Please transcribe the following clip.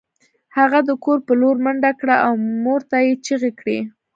هغه د کور په لور منډه کړه او مور ته یې چیغې کړې